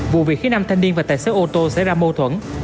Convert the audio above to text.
vụ việc khiến năm thanh niên và tài xế ô tô xảy ra mâu thuẫn